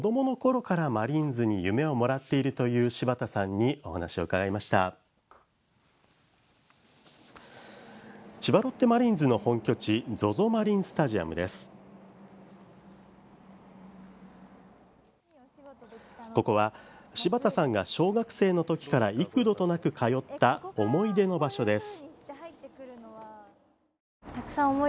ここは、柴田さんが小学生のときから幾度となく通った思い出の場所です。